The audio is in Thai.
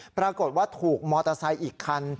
ปรากฏว่าถูกมอเตอร์ไซค์อีกคัน